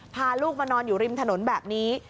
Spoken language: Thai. พาลูกมานอนอยู่ริมถนนแบบนี้